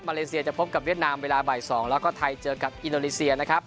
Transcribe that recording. เลเซียจะพบกับเวียดนามเวลาบ่าย๒แล้วก็ไทยเจอกับอินโดนีเซียนะครับ